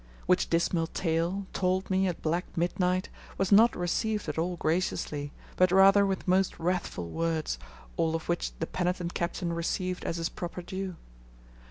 Which dismal tale told me at black midnight was not received at all graciously, but rather with most wrathful words, all of which the penitent captain received as his proper due.